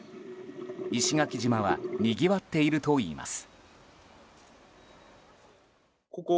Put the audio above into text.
石垣島はにぎわっているといいます。